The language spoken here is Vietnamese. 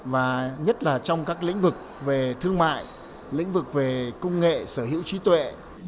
và nhất là trong các lĩnh vực về thương mại lĩnh vực về công nghệ sở hữu trí tuệ